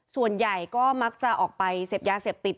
ส่วนใหญ่ก็มักจะออกไปเสพยาเสพติด